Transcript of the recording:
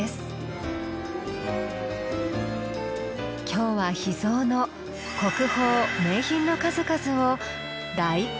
今日は秘蔵の国宝・名品の数々を大公開。